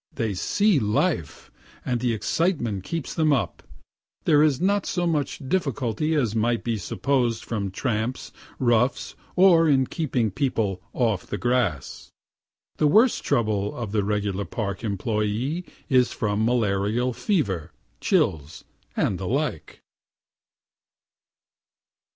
They see life, and the excitement keeps them up. There is not so much difficulty as might be supposed from tramps, roughs, or in keeping people "off the grass." The worst trouble of the regular Park employé is from malarial fever, chills, and the like.